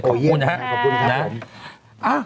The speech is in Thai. ขอบคุณนะครับ